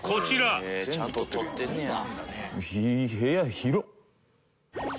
ええちゃんと撮ってんねや。